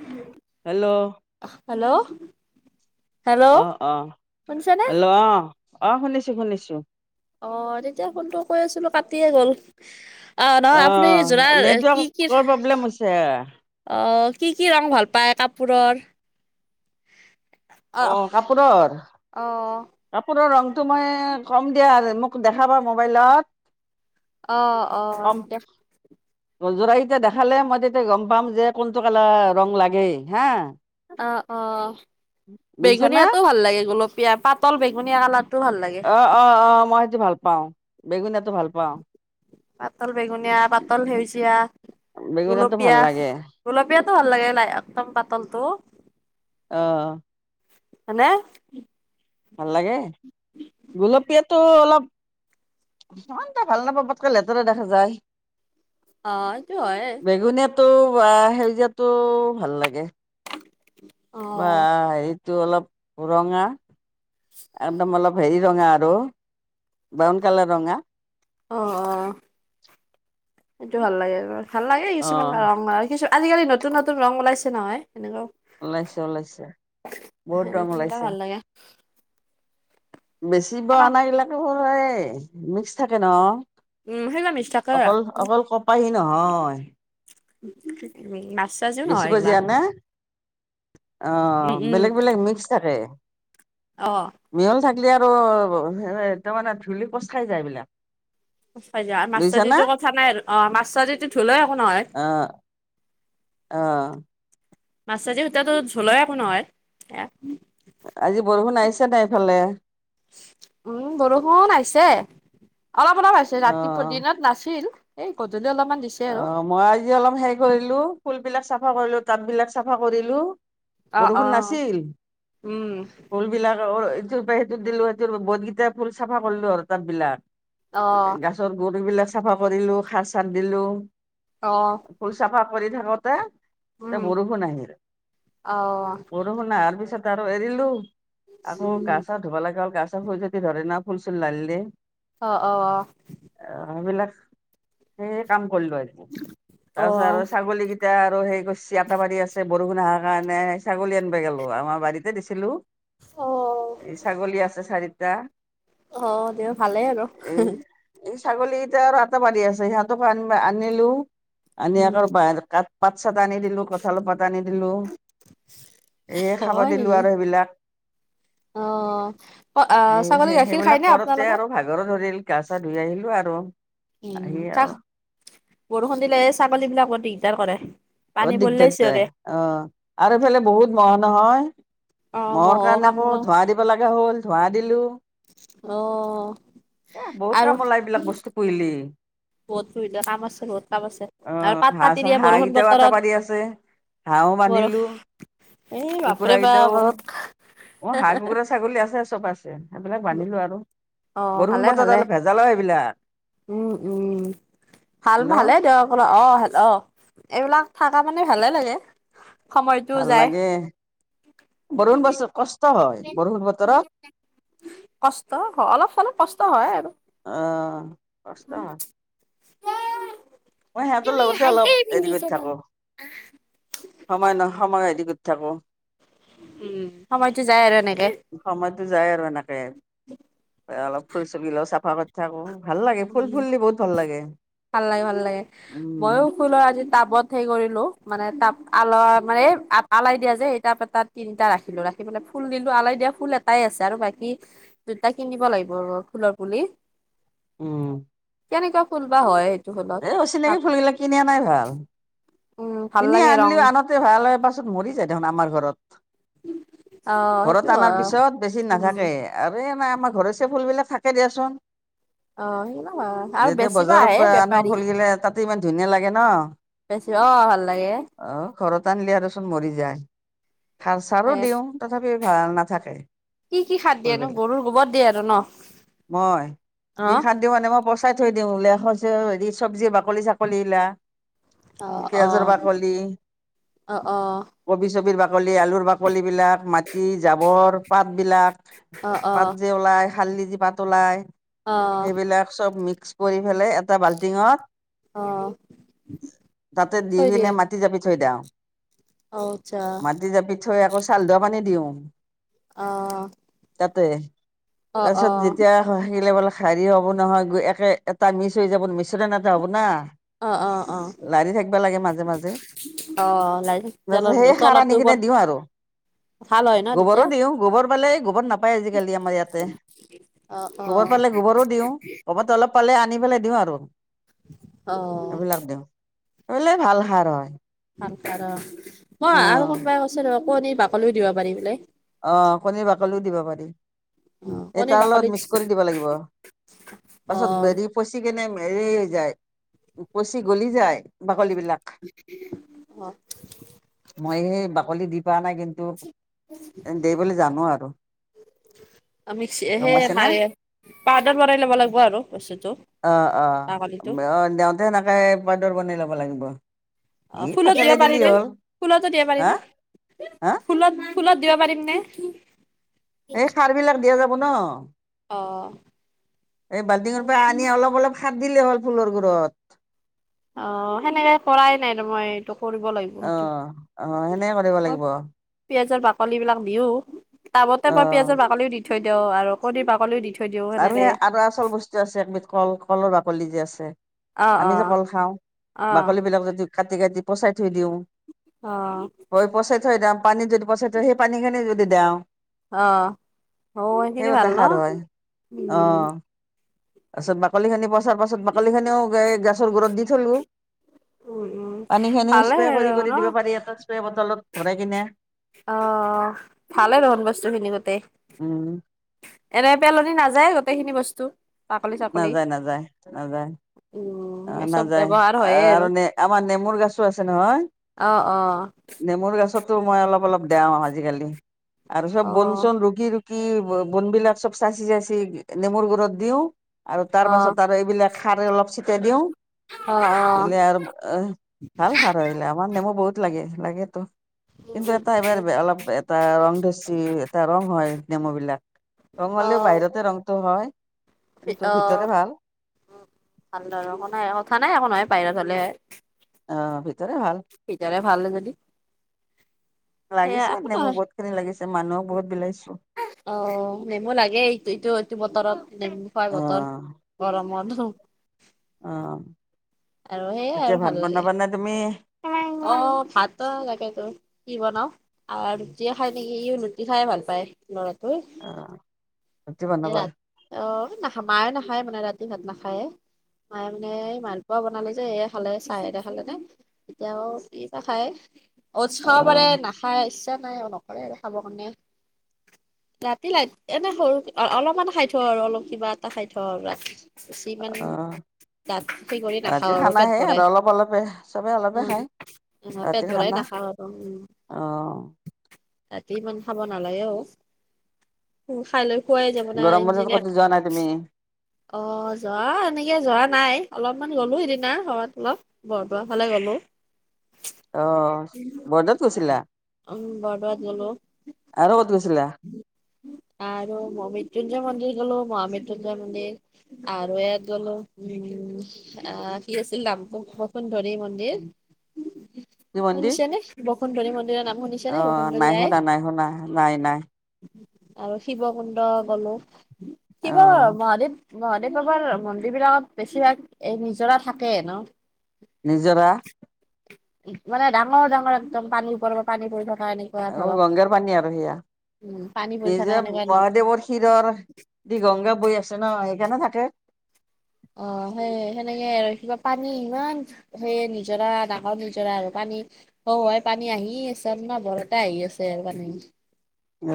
উম hello. Hello. Hello অ', অ', শুনিছানে হেল্ল' অ', অ', শুনিছোঁ, শুনিছোঁ। অ', তেতিয়া ফোনটো কৰি আছিলো, কাটিয়েই গ'ল। অহ, নহয় আপুনি অ', জোনাৰ কি কি নেটৱৰ্কৰ প্ৰব্লেম হৈছে অ', কি কি ৰঙ ভাল পায় কাপোৰৰ? অ', কাপোৰৰ? অ কাপোৰৰ ৰংটো মই ক'ম দিয়া, মোক দেখাবা মোবাইলত। অ', অ', দে [unintelligible] দেখুৱালে মই তেতিয়া গম পাম, যে কোনটো কালাৰৰ ৰং লাগেই, হা। অ', অ', বুজিছা না বেগুনীয়া টো ভাল লাগে, গুলপীয়া, পাতল বেগুনীয়া কালাৰটোও ভাল লাগে। অ', অ', অ', মই সেইটো ভাল পাওঁ, বেগুনীয়াটো ভাল পাওঁ। পাতল বেগুনীয়া, পাতল সেউজীয়া, বেঙুনীয়াটো ভাল গুলপীয়া। লাগে গুলপীয়া টোও ভাল লাগে, একদম পাতলটো। অ', অ'। হয়নে? ভাল লাগে? গুলপীয়াটো অলপ ইমান এটা ভাল নাপাওঁ, বৰকে লেতেৰা দেখা যায়। অ', সেইটো হয়। বেঙুনীয়াটো বা সেউজীয়াটো ভাল লাগে। অ বা এইটো অলপ ৰঙা। একদম, অলপ হেৰি ৰঙা আৰু। ব্ৰাউন কালাৰৰ ৰঙা। অ', অ', সেইটো ভাল লাগে। ভাল লাগে অ কিছুমান ৰং আৰু, কিছু আজিকালি নতুন নতুন ৰং ওলাইছে নহয়, এনেকুৱাও ওলাইছে ওলাইছে, বহুত ৰং সেনেকুৱা ওলাইছে। [unintelligible] বেচিব আমাক অনা বিলাকো এই মিক্স থাকে ন। উম সেইগিলা মিছ থাকে অকল, অকল কপাহী নহয়। নাছ [unintelligible] এইগিলা। অহ, উম উম বেলেগ বেলেগ মিক্স থাকে। অ'। মিহল থাকিলে আৰু তাৰ মানে ধূলি পচ খাই যায় এইবিলাক। [unintelligible] য মাছ চ বুজিছা না যটো কথা নাই আৰু, অ', মাছ [unintelligible] ধুলেও একো নহয়। অ অ'। [unintelligible] সূতাটো ধুলেও একো নহয়। আজি বৰষুণ আহিছেনে নাই ইফালে? উম, বৰষুণ আহিছে, অলপ অলপ আহিছে, ৰাতিপুৱা অ দিনত নাছিল। এই গধূলি অলপমান দিছ অ', মই আজি অলপ হেৰি কৰিলো, ফুল বিলাক চাফা কৰিলো, তাপ বিলাক চাফা কৰিলো। অ অ বৰষুণ নাছিল। উম ফুলবিলাক ইটোৰ পৰা সেইটো দিলো, সেইটোৰ বহুতকেইটা ফুল চাফা কৰিলো আৰু, তাপ বিলাক। অ গছৰ গুৰিবিলাক চাফা কৰিলো, সাৰ চাৰ দিলো। অ'। ফুল চাফা কৰি থাকোতে তে উম বৰষুণ আহিল অ বৰষুণ আহাৰ পিছত আৰু এৰিলো আকৌ উম গা চা ধব লাগা হল গা চা খুজতি ধৰে না ফুল চুল লাৰিলে অ অ অ অ সেইবিলাক সেই কাম কৰিলো আৰু অ তাৰপিছত অ আৰু ছাগলী কেই টা আৰু হে কৰিচি আটা বাৰী আছে বৰষুণ অহাৰ কাৰণে ছাগলী আনিব গলো আমাৰ বাৰীতে দিছিলো অ', এই ছাগলী আছে চাৰিটা অ তেওঁ ভালেই আৰু এই এই ছাগলীকটা আৰু আতে বাৰি আছে সিহঁতক আনিব আনিলো আনি উম, আকৌ কাত পাত চাত আনি দিলো কঁঠালৰ পাত আনি দিলো এইয়ে খাব হয় দিলো নেকি? আৰু সেইবিলাক অ অ সেই ছাগলী গাখীৰ সেইবিলাক খায়নে কৰোতে আপোনালোকে আৰু ভাগৰো ধৰিল গা চা ধুই আহিলো আৰু উ আহি আৰু বৰষুণ দিলে ছাগলী বিলাকে বৰ দিগদাৰ কৰে পানী বহুত পৰিলে দিগদাৰ তাই চিঞৰে অ আৰু এইফালে বহুত মহ নহয় অ', মহৰ ম'হো কাৰণে আকৌ কামোৰে ধোঁৱা দিব লগা হ'ল ধোঁৱা দিলো অ [inaudible] এ বহুত আৰু কাম ওলাই এইবিলাক বস্তু পুহিলি বহুত বিভিন্ন কাম আছে বহুত কাম আছে অ আৰু পাত কাটি হাঁহ দিয়া হাঁহ বৰষুণ কেইটাও আটা বতৰত ত পাৰি আছে হাঁহো বৰ বান্ধিলো এই বাপৰে বা বত মোৰ হাঁহ কুকুৰা ছাগলী আছে চব আছে সেইবিলাক বান্ধিলো আৰু অ বৰষুণ ভালে বতৰত ভালে অলপ ভেজাল হয় সেইবিলাক উম উম ভাল ভালে হেল্ল' দিয়ক অক অ অ এইবিলাক থাকা মানে ভালে লাগে। সময়টোও ভাল যায়। লাগে বৰণ বছ কষ্ট হয় বৰষুণ বতৰত কষ্ট অলপ চলপ কষ্ট হয় আৰু অ কষ্ট হয় উ [inaudible] মই হেতৰ লগতে অলপ হেৰিকৰি থাকো সময় নহ সময় এৰি ক'ত থাকো। উম সময়তো যায় আৰু এনেকে। সময়তো যায় আৰু এনেকে অলপ ফুল চুকি লও চাফা থাকো ভাল লাগে, ফুল ফুললে বহুত ভাল লাগে। ভাল লাগে ভাল লাগে, মইয়ো উম ফুলৰ আজি টাবত সে কৰিলো মানে টাব আলৰ মানে আলাই দিয়া যে সেই টাপ এটা তিনিটা ৰাখিলো ৰাখি মেলে ফুল দিলো, আলাই দিয়া ফুল এটা পাই আছে আৰু, বাকী দুটা কিনিব লাগিব আৰু ফুলৰ পুলি। উম কেনেকুৱা ফুল বা হয় সেইটো ফ এই অচিনাকি ফুলবিলাক কিনি অনাই ভাল। উম ভাল কিনি লাগে ৰং আনিলেওঁ আনতে ভাল হয়, পাছত মৰি যায় দেখোন আমাৰ ঘৰত। অ ঘৰত সেইটো অনাৰ হয় পিছত বেছি দিন উম। নাথাকে। আৰু নাই আমাৰ ঘৰচীয়া ফুলবিলাক থাকে দিয়াচোন। অ সেইবিলাক আৰু যেতিয়া বেচিব বজাৰ আহে পৰা আনা বেপাৰী ফুল গিলা তাতে ইমান ধুনীয়া লাগে ন। বেছ অ' ভাল লাগে। অ' ঘৰত আনিলি আৰু চোন মৰি যায়। সাৰ চাৰো এ দিওঁ তথাপি ভাল নাথাকে। কি কি সাৰ দিয়েনো ফুলবিলাক গৰুৰ গোৱৰ দিয়ে আৰু নহ। মই কি সাৰ দিওঁ মানে, মই পচ চাই থৈ দিওঁ [unintelligible] হেৰি চব্জি বাকলি চাকলী গিলা। অ', অ'। অ অ [unintelligible] কবি চবিৰ বাকলি আলুৰ বাকলি বিলাক মাটি জাৱৰ পাত বিলাক পাত অ যে ওলাই শাৰলি যে পাত ওলাই। অ অ সেইবিলাক চব মিক্স কৰি ফেলে এটা বাল্টিঙত অ', তাতে দি থৈ কিনে দিয়ে মাটি জাপি থৈ দেওঁ। অ আচ্ছা মাটি জাপি থৈ আকৌ চাউল ধোৱা পানী দিওঁ। অ'। তাতে, অ অ তাৰপিছত যেতিয়া। [unintelligible] শাৰী হ'ব নহয় গৈ একে এটা মিছ হৈ যাব মিশ্ৰন এটা হ'ব না। অ অ অ লাৰি থাকিবা লাগে মাজে, মাজে অ লাই [unintelligible] তেলৰ সেই সাৰ আনি তলৰটো কিনে বৰ দিওঁ আৰু। ভাল হয় ন তেতিয়া গোৱৰো দিওঁ, গোৱৰ পালে গোৱৰ নাপায় আজিকালি আমাৰ ইয়াতে। অ', অ'। গোৱৰতো অলপ পালে আনি পেলাই দিওঁ আৰু, অ এইবিলাক দিওঁ। [unintelligible] ভাল। সাৰ হয়। ভাল সাৰ অ, অ আৰু কোনোবাই কৈছে ৰ' আকৌ কণীৰ বাকলিও দিব পাৰি বোলে? অ' কণীৰ বাকলিও দিব পাৰি। অ এই কণী তাৰ লগত বাকলিত মিক্স কৰি দিব লাগিব, অ পাছত হেৰি পচি কিনে হেৰি হৈ যায় পচি গ'লি যায় বাকলি বিলাক। [unintelligible] মই সেই বাকলি দি পোৱা নাই কিন্তু, দে বুলি জানোঁ আৰু। আমি গম পাইছে [unintelligible] না সাৰে। পাউডাৰ বনাই ল'ব লাগিব আৰু বস্তুটো, বাকলিটো। তেনেকে পাউডাৰ বনাই ল'ব লাগিব। ই অ' ফুলত দিব থেঠেলি দিলি পাৰিনে হ'ল ফুলতো দিবা হা পাৰিনে? হা ফুলত, ফুলত দিব পাৰিম নে? এই সাৰবিলাক দিয়া যাব নহ, অ'। এই বাল্টিঙৰ পৰা আনি অলপ, অলপ সাৰ দিলে হ'ল ফুলৰ গুৰত। অ' সেনেকে কৰাই নাই [unintelligible] মই এইটো কৰিব লাগিব। অ, সেইটো অ সেনেকে কৰিব লাগিব। পিয়াঁজৰ বাকলি বিলাক দিওঁ তাবতে মই পিয়াঁজৰ বাকলিও দি থৈ দিওঁ আৰু কণীৰ বাকলিও দি থৈ দিওঁ আৰু সেনেকে সেই আৰু আচল বস্তু আছে একবিধ কল-কলৰ বাকলি যে আছে। অ', আমি যে অ', কল খাওঁ অ', বাকলি বিলাক যদি কাটি, কাটি পচাই থৈ দিওঁ? অ। পচে থৈ দাওঁ পানী যদি পচাই থৈ সেই পানী খিনি যদি দেওঁ? অ, অ সেইখিনি সেইও ভাল এটা নহ? সাৰ হয় অ তাৰপিছত বাকলি খিনি পচাৰ পাছত বাকলি খিনিও এই গাছৰ গুৰত দি থলো। উম, উম। পানী খিনিও ভালে স্প্ৰে আৰু কৰি, ন কৰি দিব পাৰি এটা স্প্ৰে বটলত ভৰাই কিনে। অহ ভালেই দেখোন বস্তুখিনি গোটেই। উম। এনে পেলনি নাযায় গোটেখিনি বস্তু। বাকলি চাকলি নাযায়, নাযায়, নাযায়। উম। অঁ, চব নাযায় ব্যৱহাৰ হয়ে আৰু আমাৰ নেমুৰ গছো আছে নহয়। অহ, অহ। তো মই অলপ অলপ দেও আজিকালি আৰু চব বন অ', চোন ৰুকি ৰুকি- কি বনবিলাক চব চাঁচি চাঁচি নেমুৰ গৰত দিওঁ। আৰু তাৰ পাছত অ', তাৰ এইবিলাক সাৰ অলপ চিত- দিওঁ, অ', অ'। দিলে আৰু ভাল শাক- ধৰিলে। আমাৰ নেমু বহুত লাগে, লাগেতো। কিন্তু এটা এবাৰ অলপ এটা ৰং ধৰচি, এটা ৰং হয় নেমু বিলাক। ৰং হলেও বাহিৰতে ৰংটো হয়। ই কিন্তু অঁ, ভিতৰে ভাল ভাল একো নাই, কথা নাই, একো নহয় বাহিৰত হ'লে। অঁ, ভিতৰে ভাল। ভিতৰে ভাল যদি। সেয়া লাগিছে একো নেমু নহয় বহুত খিনি লাগিছে, মানুহক বহুত বিলাইছো। অঁ, নেমু লাগে এইটো এইটো বতৰত। নেমু খোৱা অ বতৰ গৰমত হুহ। অঁ, এতিয়া ভাত বনাবা না তুমি? অঁ, ভাত লাগে তো কি বনাওঁ। আ ৰুটিয়ে খাই নেকি, ইও ৰুটি খাই ভাল পায়। লৰাটোই? অ ৰুটি এ বনাবা ৰাত- অঁ, নাখা মাই নাখায় মানে ৰাতি ভাত নাখায়। মায়ে মানে এই মালপোৱা বনালে যে এ খালে, চাই এতিয়া খালেনে? এতিয়াও ই না খায় উৎটছ অ খাব পাৰে নাখায়, ইচ্ছা নাই অঁ ন? কৰে আৰু খাবৰ কাৰণে। ৰাতি লাইট এনে সৰু অলপমান খাই থওঁ আৰু অলপ কিবা এটা খাই থওঁ আৰু ৰাতি। খিছি মানে অ ডাঁঠকে কৰি ৰাতিৰ নাখাও আৰু খানা পেট সেই ভৰাই। অলপে, চবে অলপ- উম, আহ পেট ভৰাই নাখাওঁ আৰু উম। অ ৰাতি ইমান খাব নালাগে অঁ, উম খাই লৈ- খোৱাই যাব না গৰম বন্ধত ক'তো ইঞ্জিনিয়াক- যোৱা নাই তুমি অঁ, যোৱা এনেকে যোৱা নাই, অলপমান গলো সেইদিনা ঘৰত অলপ বৰদোৱা। ভালে গ'লো। অঁ, বৰদোৱাত গৈছিলা? উম, বৰদোৱাত আৰু ক'ত গৈছিলা গলো। আৰু মৃত্যুঞ্জয় মন্দিৰ গলো, মহা মৃত্যুঞ্জয় মন্দিৰ। আৰু ইয়াত গলো উম- আহ কি আছিল নাম বসুন্ধৰি মন্দিৰ। কি শুনিছেনে বসুন্ধনী মন্দিৰৰ নাম? শুনিছে নে অঁ, বসুন্ধৰী নাই আই শুনা, নাই শুনা, নাই, নাই। আৰু শিৱ কুণ্ড গলো। শিৱ অ মহাদেৱ- মহাদেৱ বাবাৰ মন্দিৰ বিলাকত বেছিভাগ এই নিজৰা থাকে ন। নিজৰা। মানে ডাঙৰ ডাঙৰ একদম পানী ওপৰৰ পৰা পানী পৰি থকা এনেকুৱা অ', ধৰক গংগাৰ পানী আৰু সেয়া, উম পানী পৰি থকা এইজে সেনেকুৱা নি মহাদেৱৰ শিৰৰ দি গংগা বৈ আছে ন, সেইকাৰণে থাকে। অ', সেই সেনেকে আৰু কিবা পানী ইমান সেই নিজৰা, ডাঙৰ নিজৰা আৰু পানী। অ', হয় পানী আহি আছে, আপোনাৰ বৰতে আহি আছে আৰু পানী।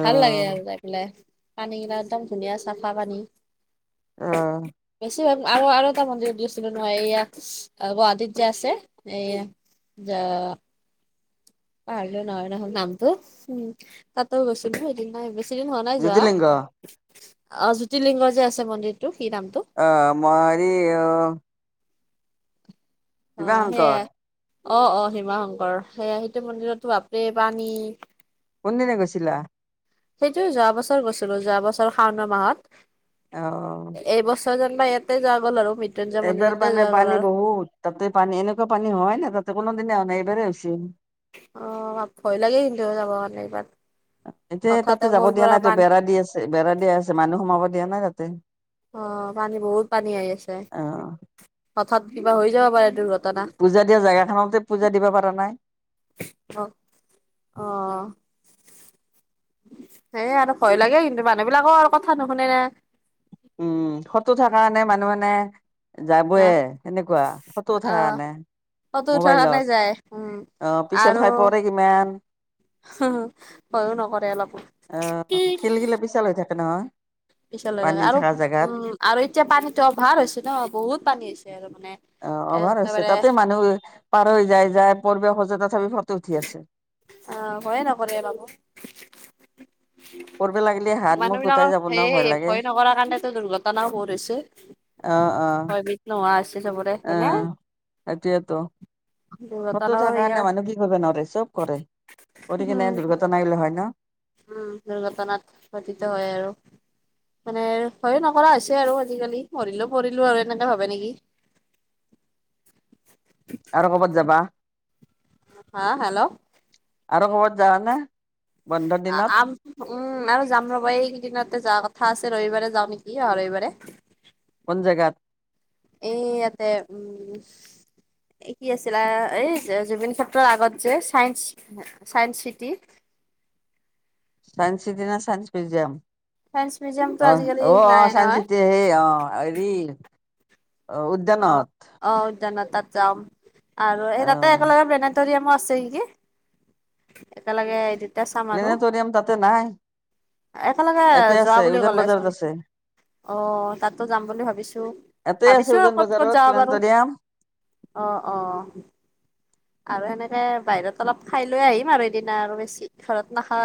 ভাল লাগে আৰু যাই পেলাই, পানীবিলাক একদম ধুনীয়া চাফা পানী। অ'। আৰু আৰু এটা মন্দিৰত গৈছিলোঁ নহয়, এইয়া গুৱাহাটীত যে আছে এইয়া। যে পাহৰিলো নহয় নহয়, নামটো। উম্, তাতো গৈছিলোঁ এদিন মছ বেছিদিন হোৱা নাই যোৱা। জ্যোতিলিংগ অ', জ্যোতি লিংগযে আছে মন্দিৰটো কি নামটো। অ', মৰি অ'। অ', শিৱাশংকৰ সেয়াই। অ', অ', হিমা শংকৰ। সেয়াই সেইতো মন্দিৰতো বাপৰেই পানী। কোনদিনা গৈছিলা। সেইটো যোৱা বছৰ গৈছিলোঁ। যোৱা বছৰ শাওনা মাহত। অ এইবছ তে জানিবা ইয়াতে যোৱা গ'ল আৰু মৃত্যুঞ্জয় এইবাৰ মন্দিৰতে মানে যোৱা গ'ল পানী আৰু বহুত, তাতে পানী এনেকুৱা পানী হোৱাই নাই। তাতে কোনাদিনা হোৱা নাই, এইবাৰ হে হৈছে। অ', ভয় লাগে কিন্তু যাব কাৰনে এইবাৰ। এতিয়া হঠাতে তাতে যাব ক'ৰ দিয়া পৰা নাই তো, পানী বেৰা দি আছে। বেৰা দিয়া আছেস মানুহ সোমাব দিয়া নাই তাতে। অ', পানী বহুত পানী আহি আছে। অ হঠাৎ কিবা হৈ যাব পাৰে দুৰ্ঘটনা। পূজা দিয়া জেগাখনতে পূজা দিব পৰা নাই। অ', অ'। সেইয়াই আৰু ভয় লাগে, কিন্তু মানুহ বিলাকৰ আৰু কথা নুশুনে না। উম্, ফটো উঠা কাৰণে মানুহ মানে হা যাবয়ে, সেনেকুৱা। ফটো উঠা অ কাৰনে। ফটো উঠাৰ কাৰণে মোবাইলত, যায় উম অ'পিচল আৰু খাই পৰে কিমান। ভয়ো নকৰে অলপো অ', শিলগিলা পিচল হৈ থাকে নহয়। পিছল হৈ পানী থাকে আৰু থকা জেগাত উম্, আৰু এতিয়া পানীতো অভাৰ হৈছে ন। বহুত পানী হৈছে আৰু মানে। অ', অভাৰ হৈছে। একেবাৰে তাতে মানুহ পাৰ হৈ যায় যায় পৰিব খোজ, তথাপি ফটো উঠি আছে। অ', ভয়ে নকৰে অলপো। পৰিব লাগিলে হাত মুখ মানুহ গোটাই বিলাকৰ যাব ন সেয়ে লাগে ভয় নকৰা কাৰণেতো দুৰ্ঘটনাও বহুত হৈছে। অ', অ'। নোহোৱা‌ হৈছে চব, অ হয়নে। সেইটোয়েতো ফটো দুৰ্ঘটনাও উঠা কাৰণে সেইকাৰণে মানুহ কি কৰিব নোৱাৰে, চব কৰে কৰি কিনে দুৰ্ঘটনাগিলা হয় ন। উম্, দুৰ্ঘটনাত পটিত হয় আৰু। মানে ভয়ে নকৰা হৈছে আৰু আজিকালি, পৰিলেও পৰিলো আৰু এনেকে ভাবে নেকি? [unintelligible] আৰু ক'বাত যাবা। হা হেল্ল'। আৰু ক'ৰবাত যাৱানে? অ', আম উম্, আৰু যাম ৰ'বা। এইকেইদিনতে যোৱা কথা আছে। ৰবিবাৰে যাওঁ নেকি অহা ৰবিবাৰে? কোন জেগাত? এই ইয়াতে, উম্! এই কি আছিলে, এই জুবিন ক্ষেত্ৰৰ আগত যে science science city science city না চাইন্স মিউজিয়াম? চাইন্স মিউজিয়ামটো অহ, আজিকালি অ', নাই অ' চাইন্স নহয় চিটি হে অ', হেৰি অ উদ্যানত! অ', উদ্যানত তাত যাম, আৰু এই অ তাতে একেলগে প্লেনে টৰিয়ামো আছে নেকি, একেলগে এদিন প্লেনেটৰিয়াম তাতে নাই! একেলগে ইয়াতে যোৱা আছে বুলি উজান বজাৰত ক'লেচোন। আছে অ', তাতো যাম বুলি ভাবিছোঁ। ইয়াতে আছে ভাবিছোঁ আৰু উজান ক'ত, ক'ত বজাৰত যাবা পাৰোঁ। প্লেনেটৰিয়াম অ', অ'। আৰু সেনেকে বাহিৰত অলপ খাই লৈ আহিম আৰু সেইদিনা আৰু বেছি ঘৰত নাখা